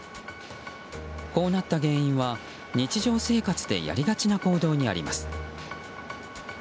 こうなった原因は、日常生活でやりがちな行動にあります。